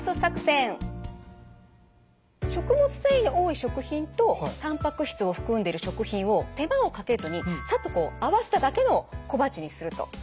食物繊維の多い食品とたんぱく質を含んでる食品を手間をかけずにさっとこう合わせただけの小鉢にすると。